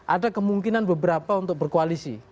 ada kemungkinan beberapa untuk berkoalisi